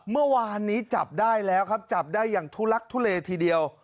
เมื่อวานนี้จับได้แล้วครับจับได้อย่างทุลักทุเลทีเดียว